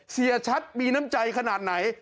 เสียชัดมีน้ำใจขนาดไหน